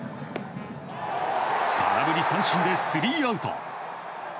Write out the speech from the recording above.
空振り三振でスリーアウト。